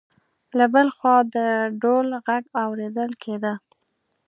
له بل خوا د ډول غږ اوریدل کېده.